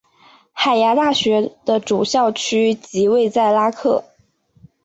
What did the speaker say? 海牙大学的主校区即位在拉克。